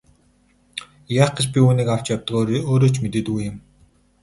Яах гэж би үүнийг авч явдгаа өөрөө ч мэддэггүй юм.